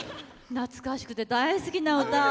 懐かしくて大好きな歌。